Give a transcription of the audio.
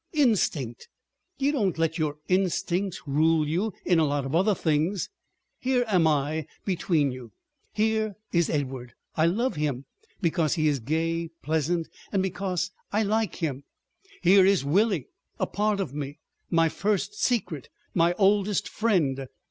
.. Instinct! You don't let your instincts rule you in a lot of other things. Here am I between you. Here is Edward. I—love him because he is gay and pleasant, and because—because I like him! Here is Willie—a part of me—my first secret, my oldest friend!